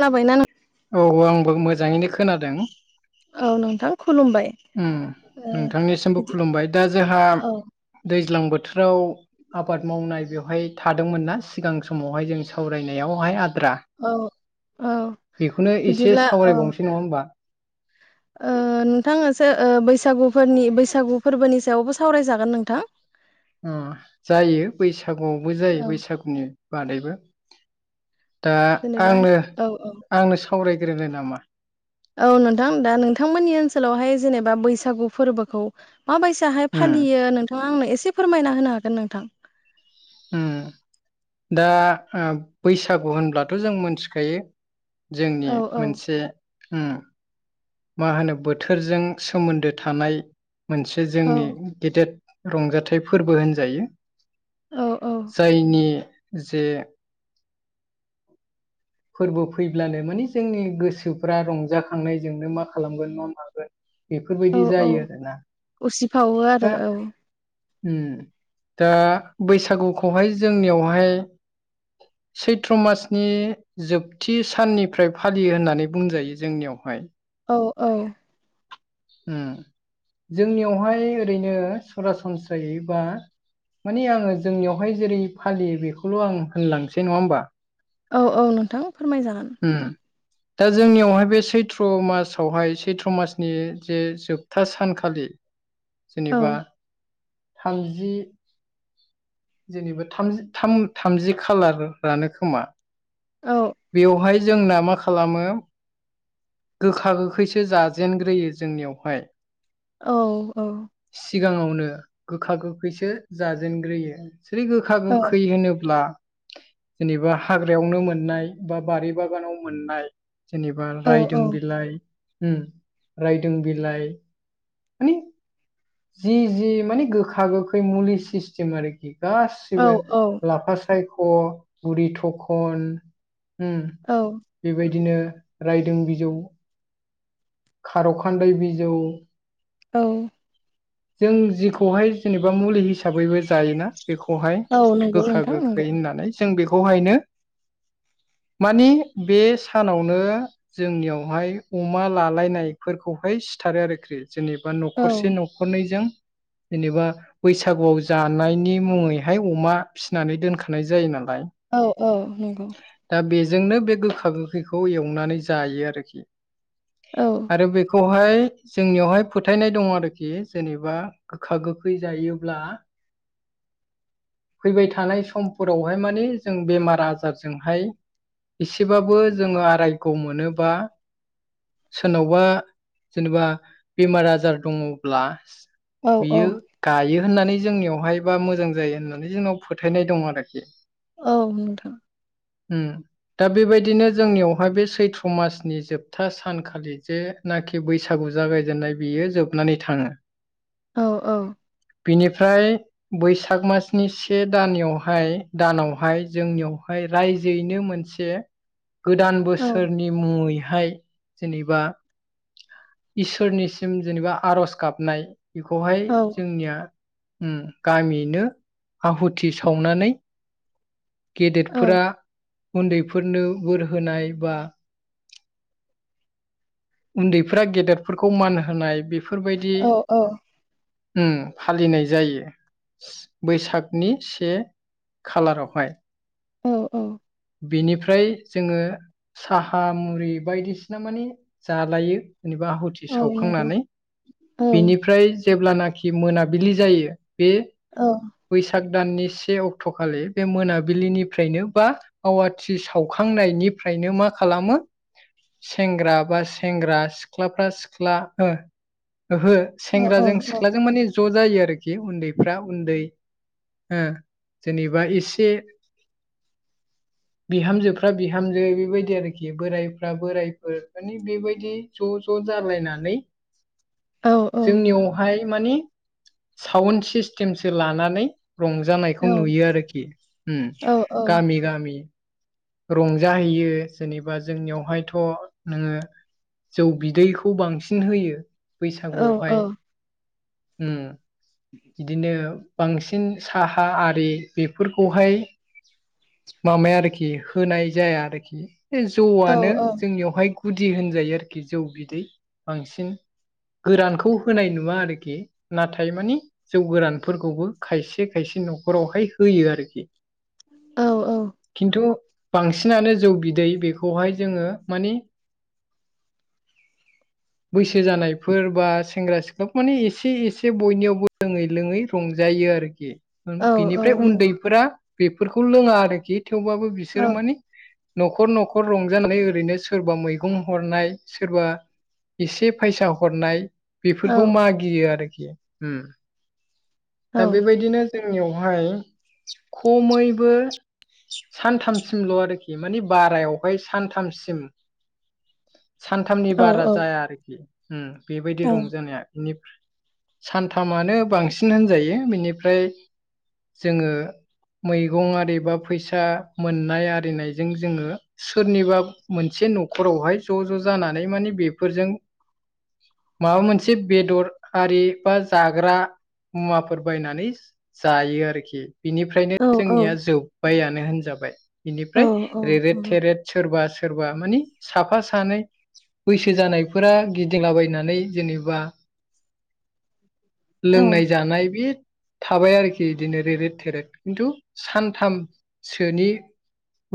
जाबायना औ आंबो मोजाङैनो खोनादों औ नोंथां खुलुमबाय उम नोंथांनिसिमबो बिदि खुलुमबाय दा जोंहा औ दै ज्लां बोथोराव आबाद मावनाय बेवहाय थादोंमोन ना सिगां समावहाय जों सावरायनायावहाय आद्रा औ औ बेखौनो एसे सावरायबावनोसै नङा होमबा नोंथाङासो बैसागुफोरनि बैसागु फोरबोनि सायावबो सावरायजागोन नोंथां जायो बैसागुआवबो जायो औ बैसागुनि बादैबो दा जेनेबा आंनो औ औ आंनो सावरायग्रोनो नामा औ नोंथां दा नोंथांमोननि ओनसोलावहाय जेनेबा बैसागु फोरबोखौ माबायसाहाय उम फालियो नोंथाङा आंनो एसे फोरमायना होनो हागोन नोंथां दा बैसागु होनब्लाथ' जों मोनथिखायो जोंनि औ औ मोनसे मा होनो बोथोरजों सोमोन्दो थानाय मोनसे औ जोंनि गेदेद रंजाथाइ फोरबो होनजायो औ औ जायनि जे फोरबो फैब्लानो माने जोंनि गोसोफ्रा रंजाखांनायजोंनो मा खालामगोन मा मागोन बेफोरबायदि जायो आरोना बावो आरो दा औ दा बैसागुखौहाय जोंनियावहाय सैथ्र मासनि जोबथि साननिफ्राय फालियो होननानै बुंजायो जोंनियावहाय औ औ जोंनियावहाय ओरैनो सरासनस्रायै बा मानि आङो जोंनियावहाय जेरै फालियो बेखौल' आं होनलांनोसै नङा होमबा औ औ नोंथां फोरमायजागोन उम दा जोंनियावहाय बे सैथ्र' मासावहाय सैथ्र' मासनि जे जोबथा सानखालि औ जेनेबा थामजि जेनेबा थाम थाम थामजि खालारानो खोमा औ बेवहाय जोंना मा खालामो गोखा गोखैसो जाजेनग्रोयो जोंनियावहाय औ औ सिगाङावनो गोखा गोखैसो जाजेनग्रोयो जेरै गोखा औ गोखै होनोब्ला जेनेबा हाग्रायावनो मोननाय बा बारि बागानाव मोननाय जेनेबा औ औ रायदों बिलाइ रायदों बिलाइ मानि जि जि मानि गोखा गोखै मुलि सिस्टेम आरोखि गासिबो औ लाफा सायख' बुरि थखन औ बेबायदिनो रायदों बिजौ खार'खान्दाय बिजौ औ जों जिखौहाय जेनेबा मुलि हिसाबैबो जायोना बेखौहाय औ नंगौ गोखा नोंथां गोखै नंगौ होननानै जों बेखौहायनो मानि बे सानावनो जोंनियावहाय अमा लानानै लायनायफोरखौहाय सिथारो आरोखि जेनेबा औ न'खरसे न'खरनैजों जेनेबा बैसागुआव जानायनि मुङैहाय अमा फिसिनानै दोनखानाय जायो नालाय औ औ नंगौ। जोंनो बे गोखा गोखैखौ एवनानै जायो आरोखि औ आरो बे खौहाय जोंनियावहाय फोथायनाय दङ' आरोखि जेनेबा गोखा गोखै जायोब्ला [inaudible] फैबाय थानाय समफोरावहाय माने जों बेमार आजारजोंहाय एसेबाबो जोङो आरायग' मोनोबा सोरनावबा जेनेबा बेमार आजार दङ'ब्ला औ औ बियो गायो होननानै जोंनियावहाय बा मोजां जायो होननानै जोंनाव फोथायनाय दं आरोखि। औ नोंथां उम दा बेबायदिनो जोंनियावहाय बे सैथ्र मासनि जोबथा सानखालि जेनाखि बैसागु जागायजेननाय बियो जोबनानै थाङो। औ औ बिनिफ्राय बैसाग मासनि से दानियावहाय दानावहाय जोंनियावहाय रायजोयैनो मोनसे गोदान औ बोसोरनि मुङैहाय जेनेबा इसोरनिसिम जेनेबा आर'ज गाबनाय बेखौहाय औ जोंनिया उम गामियैनो आहुथि सावनानै गेदेेरफोरा उन्दैफोरनो बोर होनाय बा उन्दैफ्रा गेदेरफोरखौ मान होनाय बेफोर बायदि औ उम फालिनाय जायो बैसागनि से खालारावहाय औ औ। बिनिफ्राय जोङो साहा मुरि बायदिसिना माने जालायो। जेनेबा आहुथि औ नंगौ सावखांनानै औ नंगौ औ बिनिफ्राय जेब्लाना खि मोनाबिलि जायो बे बैसाग दाननि से अक्ट'खालि बे मोनाबिलिनिफ्रायनो बा आवाथि सावखां नायनिफ्रायनो मा खालामो सेंग्रा बा सेंग्रा सिख्लाफ्रा सिख्ला ओ ओहो सेंग्राजों सिख्लाजों माने ज' जायो आरोखि उन्दैफ्रा उन्दै ओ जेनेबा एसे [inaudible] बिहामजोफ्रा बिहामजो बेबायदि आरोखि बोरायफ्रा बोरायफोर माने बेबायदि ज' ज' जालायनानै जोंनियावहाय मानि सउन्द सिस्टेमसो लानानै रंजानायखौ नुयो आरोखि उम गामि गामि‌। रंजाहैयो जेनेबा जोंनियावहायथ' नोङो जौ बिदैखौ बांसिन होयो बैसागुआवहाय। उम इदिनो बांसिन साहा आरि बेफोरखौहाय माबाया आरोखि होनाय जाया आरोखि बे जौआनो जोंनियावहाय गुदि होनजायो आरोखि जौ बिदै बांसिन गोरानखौ होनाय नुवा आरोखि नाथाय मानि जौ गोरानफोरखौबो खायसे खायसे न'खरावहाय होयो आरोखि। खिन्थु बांसिनानो जौ बिदै बेखौहाय जोङो माने बैसो जानायफोर बा सेंग्रा सिख्लाफोर माने एसे एसे बयनियावबो लोङै लोङै रंजा जायो आरोखि। बिनिफ्राय उन्दैफोरा बेफोरखौ लोङा आरोखि थेवबाबो बिसोरो मानि न'खर न'खर रंजानानै ओरैनो सोरबा मैगं हरनाय सोरबा एसे फायसा हरनाय बेफोरखौ मागियो आरोखि ओम। दा बेबायदिनो जोंनियावहाय खमैबो सानथामसिमल' आरोखि मानि बारायावहाय सानथामसिम सानथामनि बारा जाया आरोखि ओम बेबायदि रंजानाया बिनिफ्र सानथामानो बांसिन होनजायो बेनिफ्राय जोङो मैगं आरिबा फैसा मोननाय आरिनायजों जोङो सोरनिबा मोनसे से न'खरावहाय ज' ज' जानानै मानि बेफोरजों [inaudible] माबा मोनसे बेदर आरि बा जाग्रा मुवाफोर बायनानै जायो आरोखि बिनिफ्रायनो जोंनिया जोब्बाया होनजाबाय बेनिफ्राय रेरेद थेरेद सोरबा सोरबा मानि साफा सानै बैसो जानायफोरा गिदिंलाबायनानै जेनेबा लोंनाय जानाय बि थाबाय आरोखि बिदिनो रेरेद थेरेद खिन्थु सानथामसोनि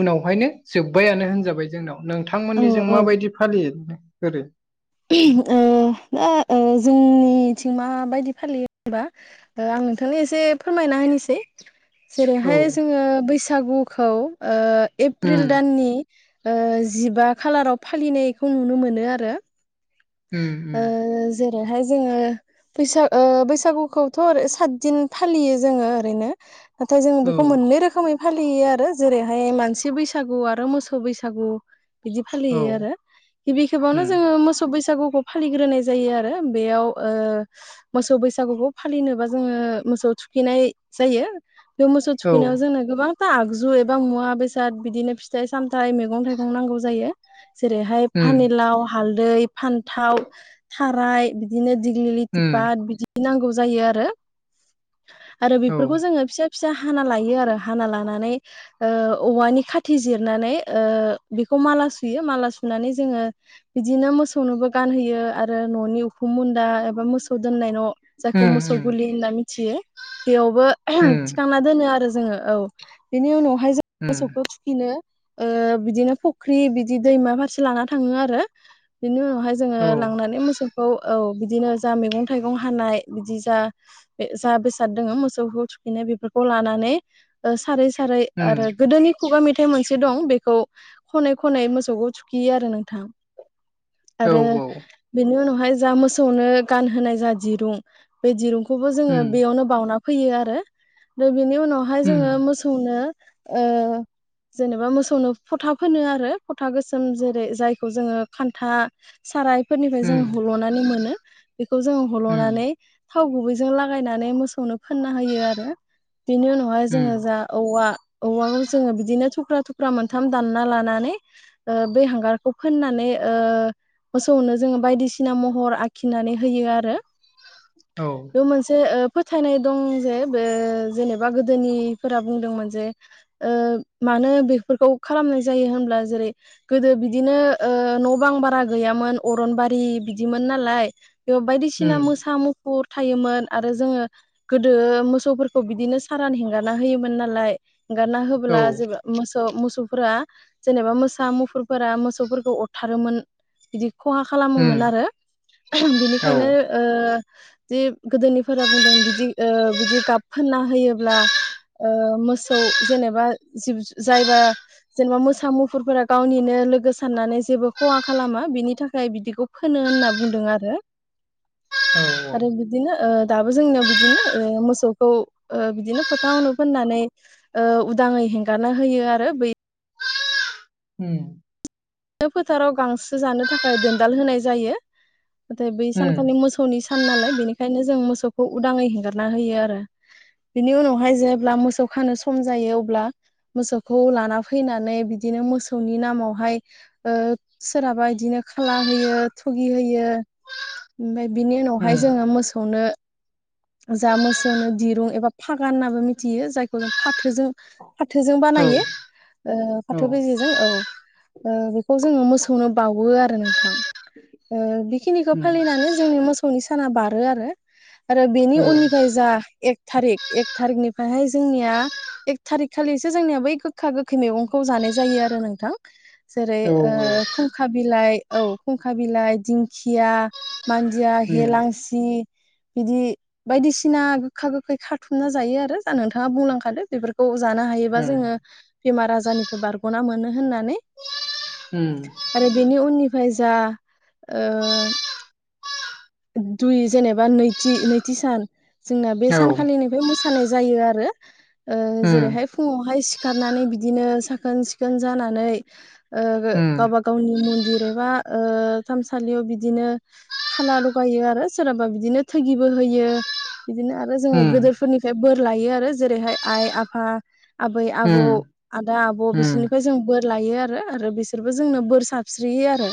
उनावहायनो जोब्बायानो होनजाबाय जोंनाव। औ नोंथांमोननि जों औ माबायदि फालियो ओरै ओ दा ओ जोंनिथिं माबायदि फालियो होनबा ओ आं नोंथांनो एसे फोरमायना होनिसै। औ जेरैहाय जोङो बैसागुखौ ओ एप्रिल उम दाननि ओ जिबा खालाराव फालिनायखौ नुनो मोनो आरो। उम उम बेहाय जोङो बैसाग ओ बैसागुखौथ' ओर सातदिन फालियो जोङो ओरैनो। नाथाय जों औ बेखौ मोननै रोखोमै फालियो आरो जेरैहाय मानसि बैसागु आरो मोसौ बैसागु बिदि औ फालियो आरो गिबि खेबावनो उम जोङो मोसौ बैसा बैसागुखौ फालिग्रोनाय जायो आरो बेयाव ओ मोसौ बैसागुखौ फालिनोबा जोङो मोसौ थुखैनाय जायो बे मोसौ औ थुखैनायाव जोंनो गोबां बा आगजु एबा मुवा बेसाद बिदिनो फिथाइ सामथाइ मैगं थाइगं नांगौ जायो जेरैहाय उम फानिलाव हालदै फान्थाव थाराय बिदिनो दिग्लि लिथि उम पाट बिदि नांगौ जायो आरो आरो औ बेफोरखौ जोङो फिसा फिसा हाना लायो आरो हाना लानानै ओ औवानि खाथि जिरनानै बेखौ माला सुयो माला सुनानै जोङो बिदिनो मोसौ मोसौनोबो गानहोयो आरो न'नि उखुम मुन्दा एबा मोसौ दोननाय न' जायखौ उम मोसौ उम गुलि होनना मिथियो बेयावबो उम थिखांना दोनो आरो जोङो औ बेनि उनावहाय जों उम मोसौखौ थुखिनो ओ बिदिनो फुख्रि बिदि दैमा फारसे लाना थाङो आरो बिदिनो बेहाय जोङो औ लांनानै मोसौखौ औ बिदिनो जा मैगं थाइगं हानाय बिदि जा जा बेसाद दङो मोसौखौ थुखैनाय बेफोरखौ लानानै सारै सारै उम आरो गोदोनि खुगा मेथाइ मोनसे दं बेखौ खनै खनै मोसौखौ थुखैयो आरो नोंथां औ आरो बेनि उनावहाय जा मोसौनो गानहोनाय जा दिरुं बे दिरुंखौ खौबो जोङो उम बेयावनो बाउना फैयो आरो दा बेनि उनावहाय उम जोङो मोसौनो ओ जेनेबा मोसौनो फथा फोनो आरो फथा गोसोम जेरै जायखौ जोङो खानथा सारायफोरनिफ्राय जों उम हल'नानै मोनो बेखौ जोङो उम हल'नानै थाव गुबैजों लागायनानै मोसौनो फोनना होयो आरो बेनि उनावहाय जोङो उम जा औवा औवाखौ जोङो बिदिनो थुख्रा थुख्रा मोनथाम दानना लानानै बे हांगारखौ फोननानै ओ मोसौनो जोङो बायदिसिना महर आखिनानै होयो आरो औ बेयाव मोनसे फोथायनाय दं जे बे जेनेबा गोदोनिफोरा बुंदोंमोन जे ओ मानो बेफोरखौ खालामनाय जायो होनब्ला जेरै गोदो बिदिनो ओ न' गोबां बारा गैयामोन अरनबारि बिदिमोन नालाय बेयाव बायदिसिना उम मोसा मु फुर थायोमोन आरो जोङो गोदो मोसौफोरखौ बिदिनो सारान हेंगारना होयोमोन नालाय एंगारना औ होब्ला ज मोसौ मोसौफोरा जेनेबा मोसा मुफुरफोरा मोसौफोरखौ अर थारोमोन बिदि खहा खालामोमोन उम आरो औ बिनिखायनो औ ओ जि गोदोनिफोरा बुंदों बिदि बिदि गाब फोनना होयोब्ला ओ मोसौ जेनेबा जिब जायबा जेनेबा मोसा मुफुरफोरा गावनिनो लोगो साननानै जेबो खहा खालामा बिनि थाखाय बिदिखौ फोनो होनना बुंदों आरो औ आरो बिदिनो दाबो जोंनियाव बिदिनो मोसौ खौ बिदिनो फोथावनो फोननानै उदाङै हेंगारना होयो आरो बै उम बे फोथाराव गांसो जानो थाखाय दोनदाल होनाय जायो। नाथाय बै उम सानखालि मोसौनि सान नालाय बेनिखायनो जों मोसौखौ उदाङै हेंगारना होयो आरो बिनि उनावहाय जेब्ला मोसौ खानो सम जायो अब्ला मोसौखौ लाना फैनानै बिदिनो मोसौनि नामावहाय ओ सोरहाबा बिदिनो खाला होयो थुगि होयो ओमफ्राय बिनि उम उनावहाय जोङो मोसौनो जा मोसौनो दिरुं एबा फागान होननाबो मिथियो जायखौ जों फाथोजों फाथोजों औ बानायो औ फाथो बेजेजों औ बेखौ जोङो मोसौनो बावो आरो नोंथां बेखिनिखौ उम फालिनानै जोंनि मोसौनि साना बारो आरो आरो बेनि औ उननिफ्राय जा एक थारिक एक थारि एकनिफ्रायहाय जोंनिया एक थारि खालिसो जोंनिया बै गोखा गोखै मैगंखौ जानाय जायो आरो नोंथां जेरै औ ओ खुंखा बिलाइ औ खुंखा बिलाइ दिंखिया मानजिया उम हेेलांसि बिदि बायदिसिना गोखा गोखै खाथुमना जायो आरो जा नोंथाङा बुंलांखादो बेफोरखौ जानो हायोबा उम जोङो बेमार आजारनिफ्राय बारग'ना मोनो होननानै उम आरो बेनि उननिफ्राय जा ओ दुइ जेनेबा नैथि नैथि सान जोंना बे औ सानखालिनिफ्राय मोसानाय जायो आरो उम जेरैहाय फुङावहाय सिखारनानै बिदिनो साखोन सिखोन जानानै उम गावबा गावनि म न्दिर एबा ओ थानसालियाव बिदिनो खाला लायो आरो सोरा बिनो थोगिबो होयो बिदिनो आरो जोङो उम गदोरफोरनिफ्राय बोर लायो आरो जेरैहाय आइ आफा आबै आबौ उम आदा आबौ उम बिसोरनिफ्राय जों बोर लायो आरो। आरो बिसोरबो जोंनो बोर साबस्रियो आरो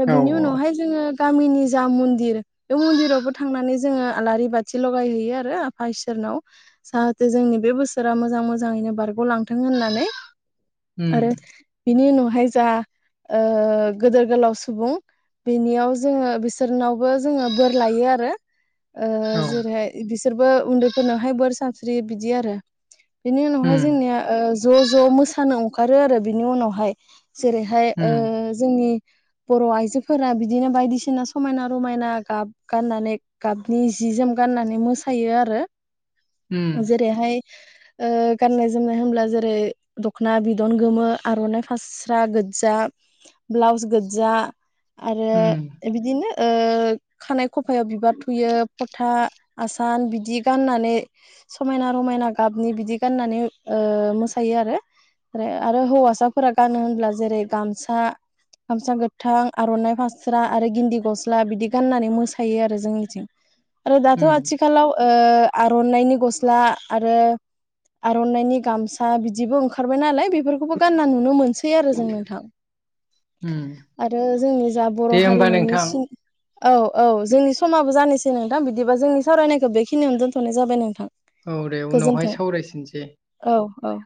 दा औ बिनि औ उनावहाय जोङो गामिनि जा मन्दिर बे मन्दिरावबो थांनानै जोङो आलारि बाथि लगायहैयो आरो आफा इसोर नाव जाहाथे जोंनि बे बोसोरा मोजां मोजाङैनो बारग'लांथों होननानै। उम आरो बिनि उनावहाय जा ओ गोदोर गोलाव सुबुं बेनियाव जोङो बिसोरनावबो जोङो बोर लायो आरो। ओ औ जेरैहाय बिसोरबो उन्दैफोरनावहाय बोर सानस्रि बिदि आरो- बेनि उनावहाय उम जोंनिया ज' ज' मोसानो ओंखारो आरो बिनि उनावहाय जेरैहाय ओ उम जोंनि बर' आइजोफोरा बिदिनो बायदिसिना समायना रमायना गाब गाननानै गाबनि जि जि जोम गाननानै मोसायो आरो उम जेरैहाय ओ गाननाय जोमनाय होनब्ला जेरै दख'ना बिदन गोमो आर'नाइ हास्रा गोज्जा ब्लाउस गोजा आरो उम बिदिनो। ओ खानाय खफायाव बिबार थुयो फथा आसान बिदि गाननानै समायना रमायना समायना गाबनि बिदि गाननानै मोसायो आरो हौवासा फोरा गानो होनब्ला जेरै गामसा गामसा गोथां आरननाइ फास्रा आरो गिन्दि गस्ला बिदि गाननानै मोसायो आरो जोंनिथिं आरो दाथ उम आथिखालाव आरननाइनि गस्ला आरो आरननाइनि गामसा बिदिबो ओंखारबाय नालाय बेफोरखौबो गानना नो सै आरो जों नोंथां उम आरो जोंनि जा बर' दे होमबा हारिमुनि नोंथां सिन औ औ जोंनि समाबो जानोसै नोंथां बिदिबा जोंनि सावरायनायखौ बेखिनियावनो दोनथनाय जाबाय नोंथां। औ दे उनावहाय गोजोनथों सावरायफिनसै औ औ